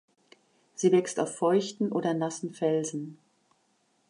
Sie wächst auf feuchten oder nassen Felsen.